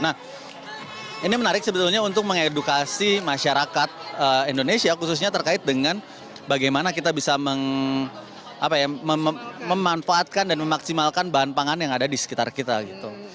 nah ini menarik sebetulnya untuk mengedukasi masyarakat indonesia khususnya terkait dengan bagaimana kita bisa memanfaatkan dan memaksimalkan bahan pangan yang ada di sekitar kita gitu